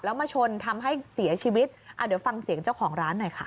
แล้วมาชนทำให้เสียชีวิตอ่าเดี๋ยวฟังเสียงเจ้าของร้านหน่อยค่ะ